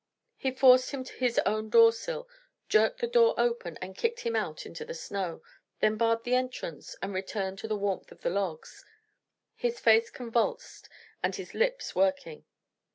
He forced him to his own door sill, jerked the door open, and kicked him out into the snow; then barred the entrance, and returned to the warmth of the logs, his face convulsed and his lips working.